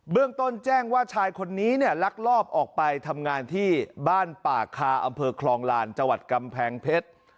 เรื่องต้นแจ้งว่าชายคนนี้เนี่ยลักลอบออกไปทำงานที่บ้านป่าคาอำเภอคลองลานจังหวัดกำแพงเพชร